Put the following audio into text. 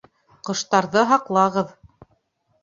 Ҡоштарҙы һаҡлағыҙ!